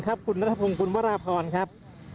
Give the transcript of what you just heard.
ครับคุณรัฐพรวมกุลวรภรครับ